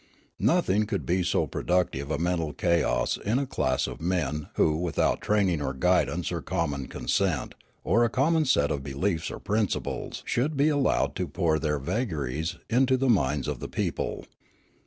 Nothing could be so productive of mental chaos as a class of men who without training or guidance or conunon consent or a common set of beliefs or principles should be allowed to pour their vagaries into the minds of the people.